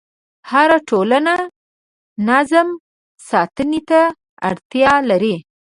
هره ټولنه نظم ساتنې ته اړتیا لري.